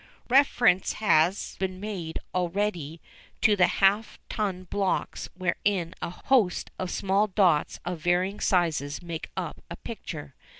Reference has been made already to the half tone blocks wherein a host of small dots of varying sizes make up a picture.